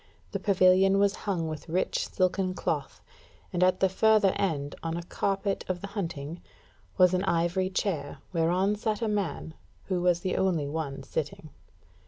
The pavilion was hung with rich silken cloth, and at the further end, on a carpet of the hunting, was an ivory chair, whereon sat a man, who was the only one sitting.